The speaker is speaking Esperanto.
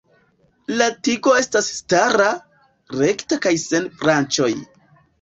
La tigo estas stara, rekta kaj sen branĉoj.